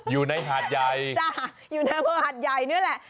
อยู่ในหาดใยจ้ะอยู่ในอเภอหาดใยนี่แหละ